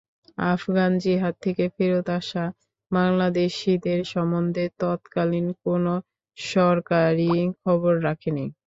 আফগান জিহাদ থেকে ফেরত আসা বাংলাদেশিদের সম্বন্ধে তৎকালীন কোনো সরকারই খবর রাখেনি।